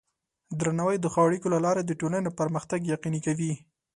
درناوی د ښو اړیکو له لارې د ټولنې پرمختګ یقیني کوي.